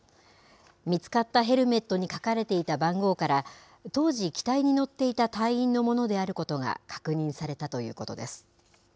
見つかったヘルメットに書かれていた番号から、当時、機体に乗っていた隊員のものであることが確認されたということです。